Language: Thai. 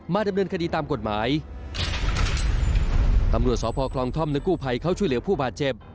ดำเนินคดีตามกฎหมายตำรวจสพคลองท่อมและกู้ภัยเขาช่วยเหลือผู้บาดเจ็บ